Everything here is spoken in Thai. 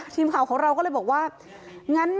ทีมข่าวของเราก็เลยบอกว่างั้น